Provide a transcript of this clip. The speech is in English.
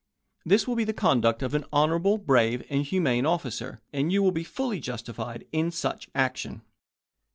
This will be the conduct of an honorable, brave, and humane officer, and you will be fully justified in such action.